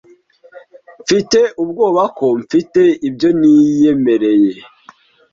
Mfite ubwoba ko mfite ibyo niyemereye.